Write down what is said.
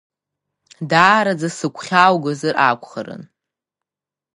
Даараӡа сыгәхьааугозар акәхарын…